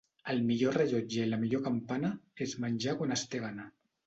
El millor rellotge i la millor campana és menjar quan es té gana.